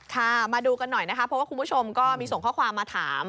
มาดูกันหน่อยนะคะเพราะว่าคุณผู้ชมก็มีส่งข้อความมาถาม